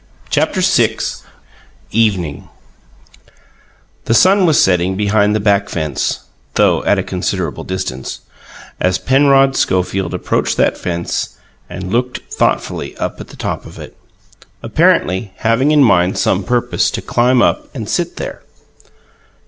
CHAPTER VI EVENING The sun was setting behind the back fence (though at a considerable distance) as Penrod Schofield approached that fence and looked thoughtfully up at the top of it, apparently having in mind some purpose to climb up and sit there.